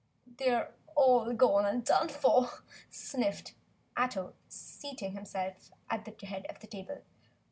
"Then they're all gone and done for," sniffed Ato, seating himself at the head of the table.